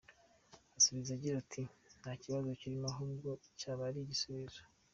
Asubiza yagize ati “Nta kibazo kirimo ahubwo cyaba ari igisubizo.